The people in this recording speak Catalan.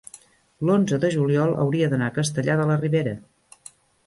l'onze de juliol hauria d'anar a Castellar de la Ribera.